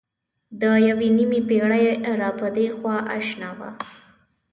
د یوې نیمې پېړۍ را پدېخوا اشنا وه.